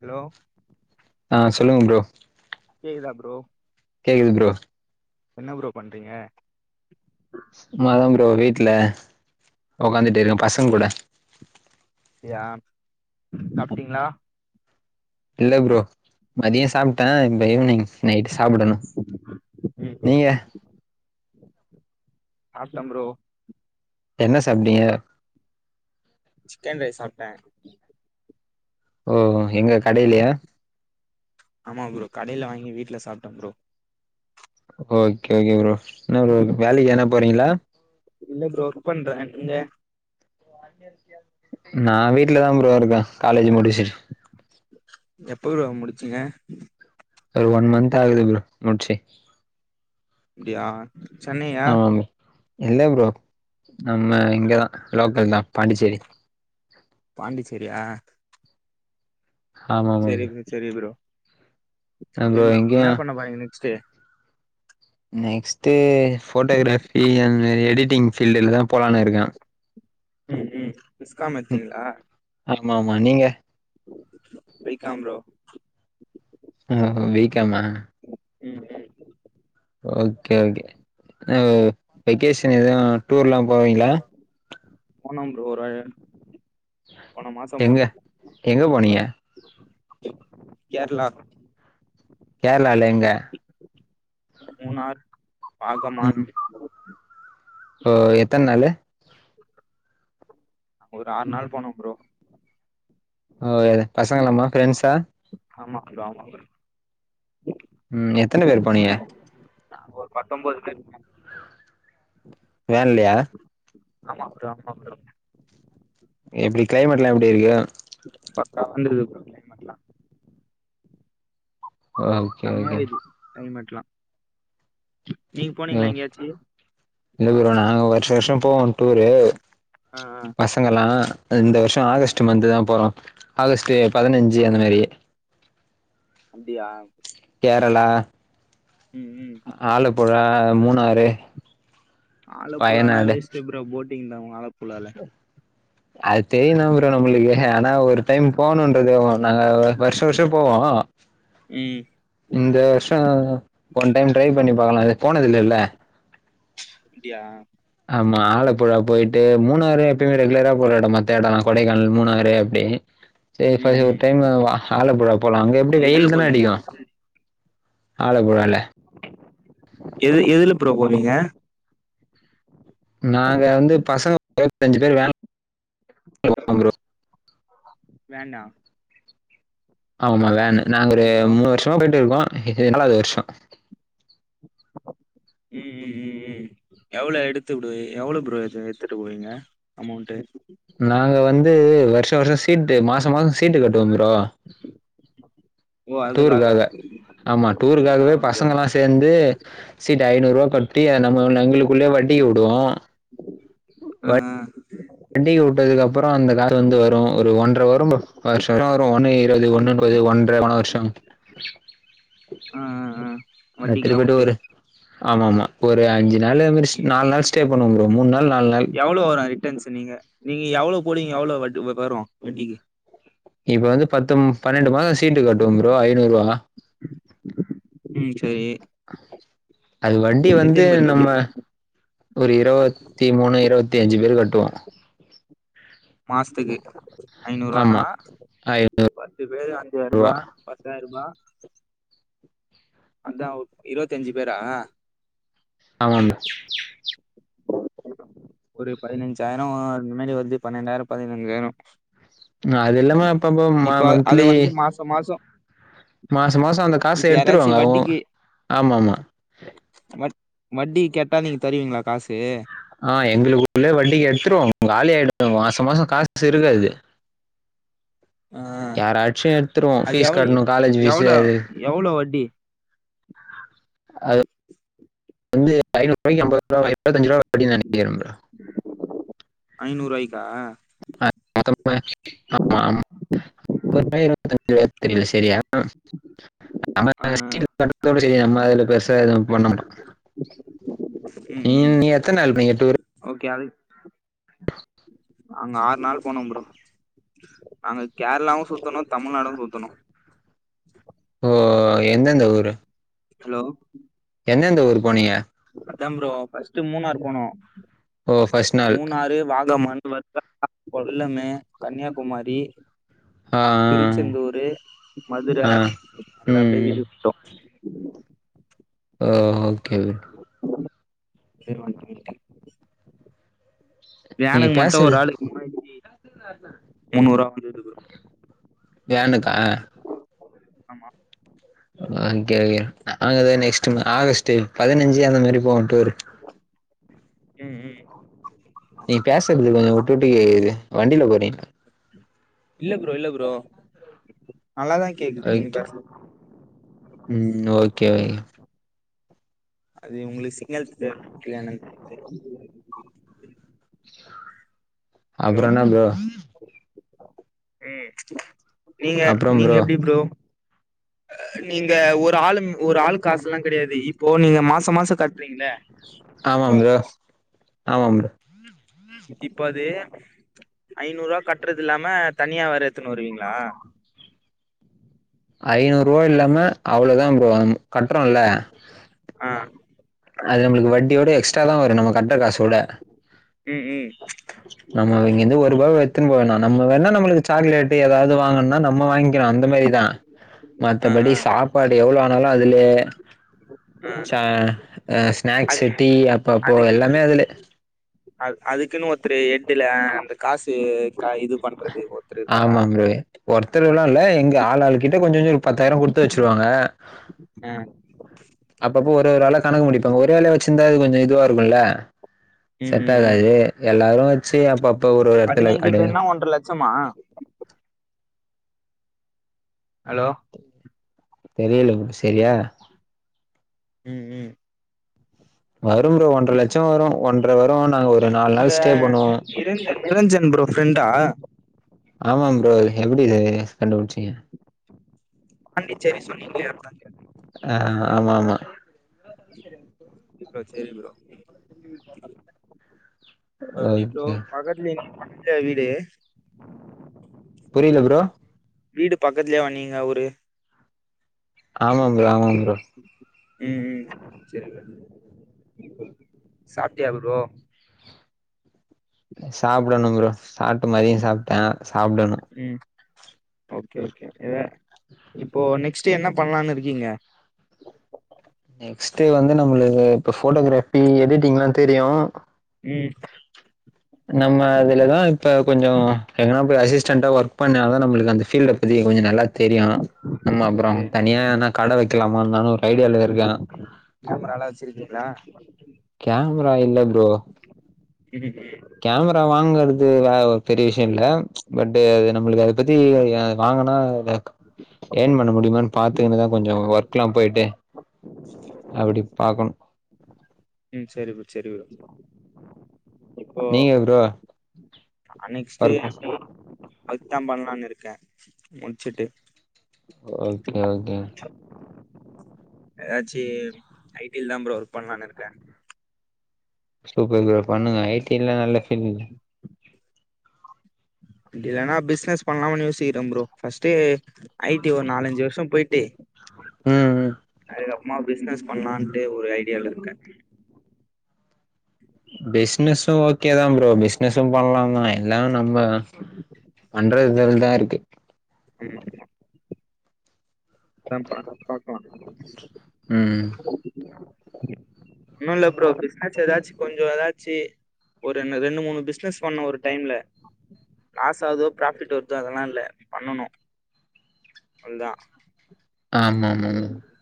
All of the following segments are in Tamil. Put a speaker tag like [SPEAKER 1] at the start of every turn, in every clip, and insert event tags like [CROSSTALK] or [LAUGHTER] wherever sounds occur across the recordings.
[SPEAKER 1] ஹலோ
[SPEAKER 2] ஆஹ் சொல்லுங்க ப்ரோ
[SPEAKER 1] கேக்குதா ப்ரோ
[SPEAKER 2] கேக்குது ப்ரோ
[SPEAKER 1] என்ன ப்ரோ பண்றீங்க
[SPEAKER 2] சும்மா தா ப்ரோ வீட்ல ஒக்காந்துட்டு இருக்க பசங் கூட
[SPEAKER 1] அப்டியா சாப்டீங்களா
[SPEAKER 2] இல்ல ப்ரோ மதிய சாப்ட்டே இந்த ஈவினிங்ஸ் நைட்டு சாப்டணு நீங்க
[SPEAKER 1] சாப்ட ப்ரோ
[SPEAKER 2] என்ன சாப்டிங்க
[SPEAKER 1] சிக்கன் ரைஸ் சாப்ட்ட
[SPEAKER 2] ஓஹோ எங்க கடைலேயா
[SPEAKER 1] ஆமா ப்ரோ கடைல வாங்கி வீட்ல சாப்ட்ட ப்ரோ
[SPEAKER 2] ஓகே ஓகே ப்ரோ என்னப்ரோ வேலைக்கி எதனா போறீங்ளா
[SPEAKER 1] இல்ல ப்ரோ ஒர்க் பண்றே நீங்க
[SPEAKER 2] [UNINTELLIGIBLE] நா வீட்லதா ப்ரோ இருக்க காலேஜ் முடிச்சிட்டு
[SPEAKER 1] எப்ப ப்ரோ முடிச்சீங்க
[SPEAKER 2] ஒரு ஒன் மந்த் ஆகுது ப்ரோ முட்சி
[SPEAKER 1] அப்டியா சென்னையா
[SPEAKER 2] ஆமாமா இல்ல ப்ரோ நம்ம இங்கதா லோக்கல் தா பாண்டிச்சேரி
[SPEAKER 1] பாண்டிச்சேரியா
[SPEAKER 2] ஆமா ஆமா
[SPEAKER 1] செரி ப்ரோ செரி ப்ரோ
[SPEAKER 2] ஆ ப்ரோ
[SPEAKER 1] என்
[SPEAKER 2] எங்கயு
[SPEAKER 1] ன்னா பண்ண போறீங்க நெக்ஸ்டு
[SPEAKER 2] நெக்ஸ்ட்டு ஃபோட்டோகிராஃபி அந்தமாரி எடிட்டிங் ஃபீல்டுல தா போலான் இருக்கே
[SPEAKER 1] ம் ம் பிஸ்காமத்தீங்ளா
[SPEAKER 2] ஆமா ஆமா நீங்க
[SPEAKER 1] பி காம் ப்ரோ
[SPEAKER 2] ஓஹோ பீ காமா
[SPEAKER 1] ம் ம்
[SPEAKER 2] ஓகே ஓகே வெக்கேஷன் எது டூர்லா போவீங்ளா
[SPEAKER 1] போனோ ப்ரோ ஒரு போன மாசம்
[SPEAKER 2] எங்க
[SPEAKER 1] போனோ
[SPEAKER 2] எங்க போனிங்க
[SPEAKER 1] கேர்ளா
[SPEAKER 2] கேர்ளால எங்க
[SPEAKER 1] மூணார் பாகமான்
[SPEAKER 2] ம் ஓ எத்தன்னாளு
[SPEAKER 1] ஒரு ஆறு நாள் போனோ ப்ரோ
[SPEAKER 2] ஓ பசங்களலாமா ஃபிரெண்ட்ஸா
[SPEAKER 1] ஆமா ப்ரோ ஆமா ப்ரோ
[SPEAKER 2] ம் எத்தன பேர் போனீங்க
[SPEAKER 1] நாங்க ஒரு பத்தொம்பது பேர் போனோ
[SPEAKER 2] வேன்லயா
[SPEAKER 1] ஆமா ப்ரோ ஆமா ப்ரோ
[SPEAKER 2] எப்டி கிளைமேட்ல்லா எப்டி இருக்கு
[SPEAKER 1] பக்காவா இருந்துது ப்ரோ கிளைமேட்லா
[SPEAKER 2] ஓகே
[SPEAKER 1] செம்மயா
[SPEAKER 2] ஓகே
[SPEAKER 1] இருகுது கிளைமேட் லா நீங் போனீங்ளா
[SPEAKER 2] ஓ
[SPEAKER 1] எங்கயாச்சி
[SPEAKER 2] இல்ல ப்ரோ நாங்க வருஷா வருஷம் போவோ டூரு
[SPEAKER 1] ஆ ஆ
[SPEAKER 2] நாங்களா இந்த வருஷொ
[SPEAKER 1] ஆ
[SPEAKER 2] ஆகஸ்ட் மந்த் தா போறோ ஆகஸ்ட்டு பதினஞ்சு அந்த மேரி
[SPEAKER 1] அப்டியா
[SPEAKER 2] கேரளா
[SPEAKER 1] ம் ம்
[SPEAKER 2] ஆலப்புழா மூணாரு
[SPEAKER 1] ஆலப்புழாலா வேஸ்டு ப்ரோ போட்டிங் தா ஆலப்புழால
[SPEAKER 2] அது தெரியுந்தா ப்ரோ நம்மளுக்கு ஆனா ஒரு டைம் போகணுன்றத நாங்க வருஷா வருஷோ போவோ
[SPEAKER 1] ம்
[SPEAKER 2] இந்த வருஷம் ஒன் டைம் ட்ரை பண்ணி பாக்கலா போனது இல்லல
[SPEAKER 1] அப்டியா
[SPEAKER 2] ஆமா ஆலப்புழா போயிட்டு மூணாறு எப்பயுமே ரெகுலரா போற எடம் மத்த எடொ கொடைக்கானல்லா மூணாறு அப்டி சரி ஃபை
[SPEAKER 1] ம்
[SPEAKER 2] ஒரு
[SPEAKER 1] ம்
[SPEAKER 2] டைமு ஆலப்புழா போலா அங்க எப்டி
[SPEAKER 1] எதுல
[SPEAKER 2] வெய்யில் தான
[SPEAKER 1] போவீங்க
[SPEAKER 2] அடிக்கு ஆழப்புழால
[SPEAKER 1] எது எதுல ப்ரோ போவீங்க
[SPEAKER 2] நாங்க வந்து பசங்க இரவத்தி அஞ்சு பேரு வேன் போவ ப்ரோ
[SPEAKER 1] வேன்னா
[SPEAKER 2] ஆமா வேன்னு நாங்க ஒரு
[SPEAKER 1] ஹலோ
[SPEAKER 2] மூணு வர்ஷமா போயிட்டுருக்கோ இது நாலாவது வர்ஷோ
[SPEAKER 1] ம் ம் ம் ம் எவ்ளோ எடுத்துபுடு எவ்ளோ ப்ரோ எத்து எடுத்துட்டு போவீங்க அமௌண்ட்டு
[SPEAKER 2] நாங்க வந்து வர்ஷ வர்ஷ சீட்டு மாச மாச சீட்டு கட்டுவ ப்ரோ
[SPEAKER 1] ஓ அதுக்காக
[SPEAKER 2] டூருக்காக ஆமா
[SPEAKER 1] ஆ
[SPEAKER 2] டூருக்காகவே
[SPEAKER 1] ஓகே
[SPEAKER 2] பசங்களா
[SPEAKER 1] ஆ
[SPEAKER 2] சேந்து சீட்டு ஐநூறு ரூபா கட்டி அது நம்ம எங்களுக்குள்ளே வட்டிக்கிவுடுவோ
[SPEAKER 1] ம் ம்
[SPEAKER 2] வட்டிக்கு விட்டதுக்கு அப்றோ அந்த காசு வந்து வரு ஒரு ஒன்ற வரு ப்ரோ வர்ஷ வரு ஒன்னு இருவது ஒன்னு முப்பது ஒன்றரை போன வர்ஷ [INAUDIBLE]
[SPEAKER 1] ஆ ஆ ஆ
[SPEAKER 2] எத்துட்டு
[SPEAKER 1] வட்டிக்கெல்லா
[SPEAKER 2] போய்ட்டு
[SPEAKER 1] வுட்டு
[SPEAKER 2] ஒரு ஆமா ஆமா ஒரு அஞ்சு நாள் [UNINTELLIGIBLE] நாலு நாள் ஸ்டே பண்ணோ ப்ரோ மூண் நா
[SPEAKER 1] எவ்ளோ வரு ரிட்டர்ன்ஸ் நீங்க நீங்க எவ்ளோ போடுவிங்க எவ்ளோ வட் வரு வட்டிக்கி
[SPEAKER 2] இப்ப வந்து பத்து பன்னெண்டு மாச சீட்டு கட்டுவோ ப்ரோ ஐநூருவா
[SPEAKER 1] ம் செரி
[SPEAKER 2] அது வட்டி வந்து நம்ம
[SPEAKER 1] கட்டுவீங்க
[SPEAKER 2] ஒரு இரவத்தி மூணு இரவத்தி அஞ்சு பேரு கட்டுவோ
[SPEAKER 1] மாசத்துக்கு ஐநூருவான்னா
[SPEAKER 2] ஆமா.
[SPEAKER 1] பத்து பேரு
[SPEAKER 2] ரூ.
[SPEAKER 1] அஞ்சாருபா பத்தாயிர் ருபா அதா இரவத்தஞ்சு பேரா
[SPEAKER 2] ஆமா ப்ரோ
[SPEAKER 1] ஒரு பதினஞ்சாயிர அந்தமாறி வந்து பன்னெண்டாயிர [UNINTELLIGIBLE] வேணு
[SPEAKER 2] அது இல்லாம அப்பப்ப ம
[SPEAKER 1] அத
[SPEAKER 2] மந்த்லி
[SPEAKER 1] [UNINTELLIGIBLE] மாசோ
[SPEAKER 2] மாச மாச அந்த காச
[SPEAKER 1] இப்ப யாராச்சு
[SPEAKER 2] எடுத்துருவாங்க அவுங்
[SPEAKER 1] வட்டிக்கு
[SPEAKER 2] ஆமா ஆமா
[SPEAKER 1] வட் வட்டிக்கு கெட்டா நீங்க தருவீங்களா காசு
[SPEAKER 2] ஆ எங்களுக்குள்ளவே வட்டிக்கு எடுத்துருவோ காலி ஆயிடு மாச மாச காசு இருக்காது
[SPEAKER 1] ஆ
[SPEAKER 2] யாராச்சு எடுத்துருவோ
[SPEAKER 1] அது
[SPEAKER 2] ஃபீஸ்
[SPEAKER 1] எவ்
[SPEAKER 2] கட்டணு காலேஜ்ஜீ பீஸ்சு
[SPEAKER 1] எவ்ளோ
[SPEAKER 2] அது
[SPEAKER 1] எவ்ளோ வட்டி
[SPEAKER 2] அது வந்து ஐநூறு ரூபாய்க்கு அம்பது ரூபா எம்பத்தி அஞ்சு ரூபா வட்டின்னு நெனைக்கிறே ப்ரோ
[SPEAKER 1] ஐநூருவாய்க்கா
[SPEAKER 2] [INAUDIBLE] தெரியில செரியா அ
[SPEAKER 1] ஆ
[SPEAKER 2] நம்ம சீட்டு கட்டறதோட செரி நம்ம அதுல பெருசா எது பண்ண மாட்டோ ம் நீங்க எத்தன நாள் போனீங்க டூரு
[SPEAKER 1] ஓகே அது நாங்க ஆறு நாள் போனோ ப்ரோ நாங்க கேரளாவு சுத்தணு தமிழ்நாடு சுத்துனோ
[SPEAKER 2] ஓ எந்தெந்த ஊரு
[SPEAKER 1] ஹலோ
[SPEAKER 2] எந்தெந்த ஊரு போனீங்க
[SPEAKER 1] அதான ப்ரோ ஃபர்ஸ்ட் மூணாரு போனோ
[SPEAKER 2] ஓ! ஃபர்ஸ்ட் நாள்.
[SPEAKER 1] மூணாறு வாகமான் வர் [INAUDIBLE] கொல்லம்மு கன்னியாகுமாரி
[SPEAKER 2] ஆ,
[SPEAKER 1] திருச்செந்தூரு மதுர
[SPEAKER 2] ஆ, ஆ. ம்.
[SPEAKER 1] நல்லப்படியா
[SPEAKER 2] ம்.
[SPEAKER 1] வீட்டுக்கு வன்டோ
[SPEAKER 2] ஒ ஓகே பிரதர்
[SPEAKER 1] [INAUDIBLE]
[SPEAKER 2] நீங்க
[SPEAKER 1] வேனுக்கு மட்டு ஒரு
[SPEAKER 2] பேசுறது
[SPEAKER 1] ஆளுக்கு மூவாயிரத்தி
[SPEAKER 2] [UNINTELLIGIBLE]
[SPEAKER 1] முன்னூர்வா வந்துது ப்ரோ
[SPEAKER 2] வேனுக்கா
[SPEAKER 1] ஆமா
[SPEAKER 2] ஒகே ஒகே நாங்கதா நெக்ஸ்ட்டு ஆகஸ்ட் பதினஞ்சு அந்த மாரி போவோ டூரு
[SPEAKER 1] ம் ம்
[SPEAKER 2] நீ பேசறது கொஞ்சோ
[SPEAKER 1] ஆமா
[SPEAKER 2] வுட்டுவுட்டு கேக்குது வண்டில போறீங்
[SPEAKER 1] இல்ல ப்ரோ இல்ல ப்ரோ நல்லாதா கேக்குது நீங்க
[SPEAKER 2] ஓகே
[SPEAKER 1] பேசறது
[SPEAKER 2] ம் ஓகே ஓகே
[SPEAKER 1] அது உங்களுக்கு சிக்னல் சரியா கெடைகலயான்னு தெரி ஹலோ
[SPEAKER 2] அப்றோ என்னா ப்ரோ
[SPEAKER 1] ம் இல்ல நீங்க எப்டி ப்ரோ நீங்க ஒரு ஆளு ஒரு ஆள் காசுலா கெடையாது இப்போ நீங்க மாசோ மாச கட்றீங்ள
[SPEAKER 2] ஆமா ப்ரோ ஆமா ப்ரோ
[SPEAKER 1] இப்ப அது ஐநூர்வா கட்றதுயில்லாம தனியா வேற எத்துன்னு வருவீங்ளா
[SPEAKER 2] ஐநூற்வா இல்லாம அவ்ளோதா ப்ரோ கட்றோல்ல
[SPEAKER 1] ஆ
[SPEAKER 2] அது நம்ளுக்கு வட்டியோட எக்ஸ்ட்ரா தா வரு நம்ப கட்ற காச உட
[SPEAKER 1] ம் ம்
[SPEAKER 2] நம்ம இங்கருந்து ஒருவாவ எத்துன்னு போ வேணா நம்ம வேணா நம்ளுக் சாக்லேட்டு எதாது வாங்கணுனா நம்ம வாங்கிளா அந்த மாரிதா
[SPEAKER 1] ஆ
[SPEAKER 2] மத்தபடி
[SPEAKER 1] ஆ
[SPEAKER 2] சாப்பாடு எவ்ளோ ஆனாலு அதுலே
[SPEAKER 1] ஆ
[SPEAKER 2] ச அ
[SPEAKER 1] அது
[SPEAKER 2] ஸ்நாக்ஸ்சு டீ அப்பப்போ
[SPEAKER 1] அதுக்கு
[SPEAKER 2] எல்லாமே அதுலே
[SPEAKER 1] அ அதுக்குன்னு ஒருத்தரு எட்டுல அந்த காசு க இது பண்றது ஒருத்தர் இருக்காரா
[SPEAKER 2] ஒருத்தருலா இல்ல எங்க ஆள் ஆள்கிட்ட கொஞ்ச கொஞ்ச ஒரு பத்தாயிர்வா குடுத்து வச்சிருவாங்க
[SPEAKER 1] ஆ
[SPEAKER 2] அப்பப்ப ஒரு ஒரு ஆளா கணக்கு முடிப்பாங்க ஒரே ஆளே வெச்சிருந்தா அது கொஞ்ச இதுவா ருக்குல்ல
[SPEAKER 1] ம் ம் ம்
[SPEAKER 2] செட்டாகாது எல்லாரு வச்சு அப்பப்ப ஒரு ஒரு எடத்துல [INAUDIBLE]
[SPEAKER 1] ஒன்ற லட்சமா ஹலோ
[SPEAKER 2] தெரியல சரியா
[SPEAKER 1] ம் ம்
[SPEAKER 2] வரு ப்ரோ ஒன்ற லட்ச வரு ஒன்ற வரு நா ஒரு நாலு
[SPEAKER 1] நீங்க
[SPEAKER 2] நாள் ஸ்டே பண்ணுவ
[SPEAKER 1] நிரஞ்சன் நிரஞ்சன் ப்ரோ ஃப்ரெண்டா
[SPEAKER 2] ஆமா ப்ரோ எப்டி தெரியு கண்டுபுடிச்சிங்க
[SPEAKER 1] பாண்டிச்சேரி சொன்னிங்களே அதா கேட்ட
[SPEAKER 2] ஆ ஆமா ஆமா
[SPEAKER 1] ப்ப சேரி ப்ரோ பப்ஜி ப்ரோ
[SPEAKER 2] ஓகே.
[SPEAKER 1] பக்கத்துலே [UNINTELLIGIBLE] எங்க வீடு
[SPEAKER 2] புரில ப்ரோ
[SPEAKER 1] வீடு பக்கத்துலே வா நீங்க அவுரு
[SPEAKER 2] ஆமா ப்ரோ ஆமா ப்ரோ
[SPEAKER 1] ம் ம் சேரி ப்ரோ சாப்டியா ப்ரோ
[SPEAKER 2] சாப்டணு ப்ரோ சாப்ட்டு மதியோ சாப்டே சாப்டணு
[SPEAKER 1] ம் ஓகே ஓகே என்ன இப்போ நெக்ஸ்டு என்ன பண்லான்னு இருக்கீங்க
[SPEAKER 2] நெக்ஸ்டு வந்து நம்ளுக்கு இப்போ ஃபோட்டோ கிராஃபி எடிட்டிங்லா தெரியு
[SPEAKER 1] ம்
[SPEAKER 2] நம்ம அதுலதா இப்ப கொஞ்சோ எங்கனா போய் அசிஸ்டன்டா ஒர்க் பண்ண தா நம்ளுக்கு அந்த ஃபீல்டு இப்பதிக்கு கொஞ்சோ நல்லா தெரியு நம்ம அப்றோ
[SPEAKER 1] ஓகே
[SPEAKER 2] தனியா எதனா கட வெக்கலாமாருந்தாலு ஐடியாலா இருக்கே
[SPEAKER 1] கேமராலா வச்சிருக்கீங்களா
[SPEAKER 2] கேமரா இல்ல ப்ரோ
[SPEAKER 1] இருக்கு
[SPEAKER 2] கேமரா வாங்கற்து வ ஒரு பெரிய விஷ்யோ இல்ல பட்டு நம்மளுக்கு அத பத்தி அ வாங்குனா ஏர்ன் பண்ண முடிமான் பாத்துக்குனுதா கொஞ்சொ ஒர்க்லா போய்ட்டு அப்டி பாக்ணு
[SPEAKER 1] ம் சேரி ப்ரோ சேரி ப்ரோ இப்போ
[SPEAKER 2] நீங்க ப்ரோ
[SPEAKER 1] அ நெக்ஸ்டு
[SPEAKER 2] ஒர்க்
[SPEAKER 1] எப்டி அதுக்கு தாபண்லான் இருக்கே முட்ச்சுட்டு
[SPEAKER 2] ஓகே ஓகே
[SPEAKER 1] எதாச்சு ஐ டி ல தா ப்ரோ ஒர்க் பண்ணலான் இருக்கே
[SPEAKER 2] சூப்பர் ப்ரோ பண்ணுங்க ஐ டி ல நல்ல ஃபீல்
[SPEAKER 1] இல்லனா பிஸினஸ் பண்ணலாமான் யோசிக்கிறே ப்ரோ ஃபர்ஸ்டு ஐ டி ஒர் நாலஞ்சு வர்ஷோ போய்ட்டு
[SPEAKER 2] ம் ம்
[SPEAKER 1] அதுக்கப்றமா பிசினஸ் பண்லான்ட்டு ஒரு ஐடியாலருக்கே
[SPEAKER 2] பிசினஸ்சு ஓகே தா ப்ரோ பிசினஸ்சு பண்லா தா எல்லாமே நம்ப பண்ற இதுல தாருக்கு
[SPEAKER 1] ம் தா பாக் பாக்லா
[SPEAKER 2] ம்
[SPEAKER 1] ஒண்ணுல்ல ப்ரோ பிசினஸ் எதாச் கொஞ்சொ எதாச்சு ஒரு என்ன ரெண்டு மூணு பிசினஸ் பண்ணோ ஒரு டைம்ல லாஸ் ஆகுதோ ப்ராஃபிட் வருதோ அதெல்லா இல்ல பண்ணணு அவ்ள் தா
[SPEAKER 2] ஆமாமாம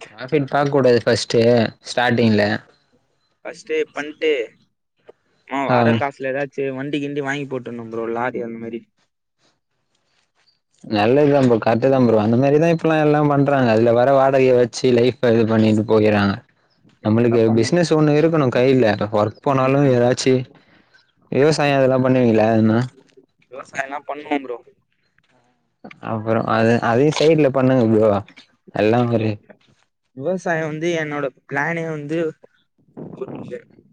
[SPEAKER 2] ப்ராஃபிட் பாக் கூடாது ஃபஸ்ட்டு ஸ்டார்ட்டிங்கில
[SPEAKER 1] ஃபஸ்டு பண்ட்டு ம்மா
[SPEAKER 2] ஆ
[SPEAKER 1] வார காசுல எதா ச்சு வண்டி கிண்டி வாய்ன் போட்ர்ணு ப்ரோ லாரி அந் மாரி
[SPEAKER 2] நல்லதுதா ப்ரோ கர்ட்டு தா ப்ரோ அந்த மாரிதா இப்பெல்லா எல்லா பண்றாங்க அதுல வர வாடகய வச்சு லைஃப் ப இது பண்ணிட்டு போயிறாங்க
[SPEAKER 1] அதா
[SPEAKER 2] நம்ளுக்கு
[SPEAKER 1] பண்ணு
[SPEAKER 2] பிசினஸ் ஒண்ணு இருக்கணு கைல ப்ப ஒர்க்
[SPEAKER 1] ம்
[SPEAKER 2] போனாலு
[SPEAKER 1] ஆமா
[SPEAKER 2] எதாச்சி விவசாயோ அதல்லா பண்ணுவீங்ளா என்னா
[SPEAKER 1] விவசாயலா பண்ணுவோ ப்ரோ
[SPEAKER 2] அப்றோஅது அதயு சைட்ல பண்ணுங்க ப்ரோ எல்லா ஒரு
[SPEAKER 1] விவசாயோ வந்து என்னோட ப்ளானே வந்து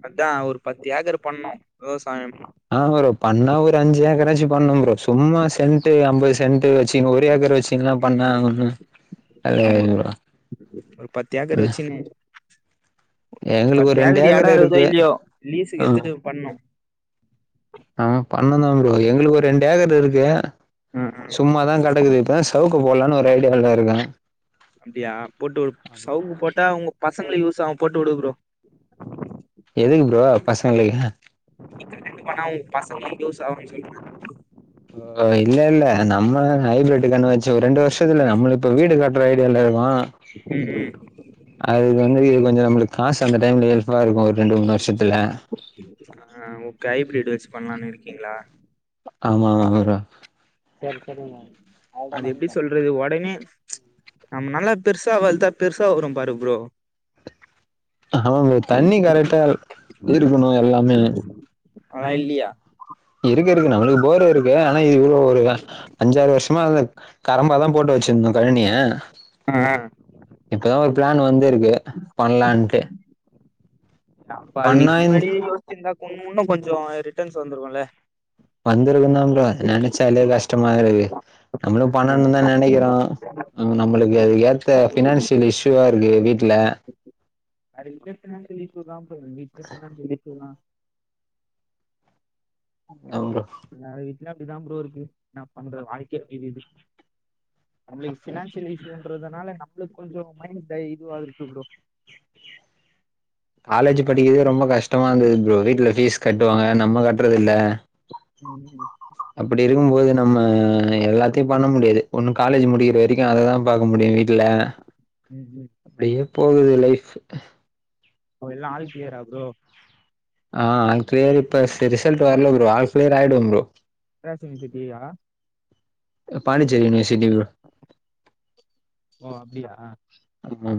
[SPEAKER 1] அதா ஒரு பத்து ஏக்கர் பண்ணு விவசாயம்
[SPEAKER 2] ஆ ப்ரோ பண்ணா ஒரு அஞ்சு ஏக்கராச்சு பண்ணு ப்ரோ சும்மா சென்ட்டு அம்பது சென்ட்டு வச்சுனு ஒரு ஏக்கர் வச் டின்லா பண்ணா
[SPEAKER 1] ம்
[SPEAKER 2] ஒண்ணு வேலக்கி
[SPEAKER 1] ஆமா
[SPEAKER 2] ஆகாது ப்ரோ
[SPEAKER 1] ஒரு பத்து ஏக்கர்
[SPEAKER 2] ம்
[SPEAKER 1] வச்சுனு
[SPEAKER 2] எங்களுக்கு ஒரு
[SPEAKER 1] பத்து
[SPEAKER 2] ரெண்டு
[SPEAKER 1] ஏக்கரு எடோ
[SPEAKER 2] ஏக்கர் இருக்கு
[SPEAKER 1] இருக்குதோ இல்லியோ
[SPEAKER 2] ஆ
[SPEAKER 1] லீஸுக்கு எட்த்துட்டு பண்ணு
[SPEAKER 2] ஆ பண்ணுந்தா ப்ரோ எங்ளுக்கு ஒரு ரெண்டேக்கர் இருக்கு
[SPEAKER 1] ஆ ஆ
[SPEAKER 2] சும்மாதா கடக்குது இப்ப சவுக்கு போட்லான் ஒரு ஐடியாலருக்கே
[SPEAKER 1] அப்டியா போட்டு சவுக்கு போட்டா ஒங்க பசங்களுக்கு யூஸாகு போட்டுடு ப்ரோ
[SPEAKER 2] எதுக்கு ப்ரோ பசங்களுக்கு
[SPEAKER 1] [UNINTELLIGIBLE] பண்ணா‌ ஒ பசங்ளுக்கு யூஸ் ஆகுன் சொல்றே
[SPEAKER 2] ஓ இல்லெல்ல நம்ம ஹைபிரட்டு கன்னு வச்சு ஒர் ரெண்டு வர்ஷத்துல நம்ளு இப்ப வீடு கட்ற ஐடியாலருக்கோ
[SPEAKER 1] வீடு
[SPEAKER 2] அதுக் தகுந்த மாரி கொஞ்சொ நம்ளுக்கு காசு அந்த டைம்ல எல்பாருக்கு ஒரு ரெண்டு மூணு வர்ஷத்துல
[SPEAKER 1] ஆ ஓகே ஹைபிரிட் யூஸ் பண்லான் இருக்கீங்ளா?
[SPEAKER 2] ஆமாங்க ப்ரோ
[SPEAKER 1] இது ஒடனே நம்நல்லா பெர்சா வள்த்தா பெர்சா வருபாரு ப்ரோ
[SPEAKER 2] ஆமா ப்ரோ தண்ணி கரெக்டா இருக்கணு எல்லாமே
[SPEAKER 1] அல்லா இல்லியா
[SPEAKER 2] இருக்கு இருக்கு நம்ளுக்கு போர் இருக்கு ஆனா இது இவ்ளோ ஒரு க அஞ்சாறு வர்ஷமா அது கரம்பாதா போட்டு வச்சிருந்தோ கழனிய
[SPEAKER 1] ஆ
[SPEAKER 2] இப்பதா ஒரு பிளான் வந்திருக்கு பண்லான்ட்டு
[SPEAKER 1] அப்ப அது நீங்க
[SPEAKER 2] பண்ணா
[SPEAKER 1] முன்னாடியே யோஸ்ச்சிருந்தா இன்னு கொஞ்ச ரிட்டர்ன்ஸ் வந்துருக்குல
[SPEAKER 2] வந்திருக்குந்தா ப்ரோ நெனச்சாலே கஷ்டமா இருக்கு நம்ளு பண்ணனு தா நெனைக்கிறோ ம் நம்மளுக்கு அதுக்கேத்த ஃபினான்ஷியல் இஷ்யூவா இருக்கு வீட்ல
[SPEAKER 1] அட இங்க ஃபினான்ஷியல் இஷ்யுதா சார் [UNINTELLIGIBLE]
[SPEAKER 2] அவ்ங்க
[SPEAKER 1] எல்லாரு வீட்லயு அப்டிதா ப்ரோ இருக்கு என்ன பண்றது வாழ்க்கையே அப்டிருக்குது நம்மளுக்கு ஃபினான்ஷியல் இஷ்யூன்றதுனால நம்மளுக்கு கொஞ்ச மைண்ட் இந்த இதுவாருக்கு ப்ரோ
[SPEAKER 2] காலேஜு படிக்கிறதே ரொம்ப கஷ்டமா இருந்தது ப்ரோ வீட்ல ஃபீஸ் கட்டுவாங்க நம்ம கட்றதில்ல
[SPEAKER 1] ம்
[SPEAKER 2] அப்டி இருக்கும்போது நம்ம எல்லாத்தையு பண்ண முடியாது ஒன்னு காலேஜு முடிக்கிற வரைக்கு அததா பாக்க முடியு வீட் ட்ல
[SPEAKER 1] ம்
[SPEAKER 2] அப்டியே போகுது லைஃபு
[SPEAKER 1] ப்ரோ எல்லா ஆல் க்ளியரா ப்ரோ
[SPEAKER 2] ஆ ஆல் கிளியர் இப்ப செ ரிசெல்ட் வர்ல ப்ரோ ஆள் கிளியர் ஆயிடுவ ப்ரோ
[SPEAKER 1] ரேஸ் யுனிவர்சிட்டீயா
[SPEAKER 2] அ பாண்டிச்சேரி யூனிவர்சிட்டி ப்ரோ
[SPEAKER 1] ஓ அப்டியா
[SPEAKER 2] [UNINTELLIGIBLE] மம்